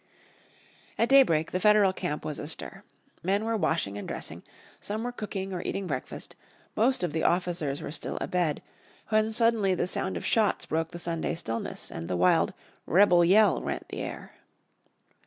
At daybreak the Federal camp was astir. Men were washing and dressing, some were cooking or eating breakfast, most of the officers were still abed, when suddenly the sound of shots broke the Sunday stillness, and the wild "rebel yell" rent the air.